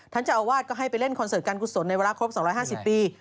เจ้าอาวาสก็ให้ไปเล่นคอนเสิร์ตการกุศลในเวลาครบ๒๕๐ปี